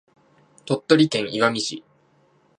鳥取県岩美町